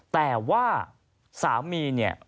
แต่ว่าสามีเนี่ย